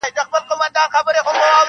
په لرغونو زمانو کي یو حاکم وو-